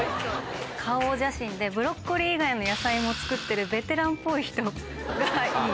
顔写真でブロッコリー以外の野菜も作ってるベテランっぽい人がいい。